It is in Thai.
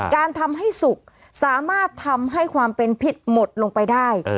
การทำให้สุกสามารถทำให้ความเป็นผิดหมดลงไปได้